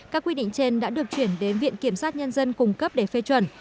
các quy định trên đã được chuyển đến viện kiểm sát nhân dân cung cấp để phê chuẩn